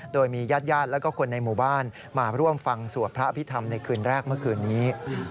โดยมีญาติญาติและคนในหมู่บ้านมาร่วมฟังสวดพระอภิษฐรรมในคืนแรกเมื่อคืนนี้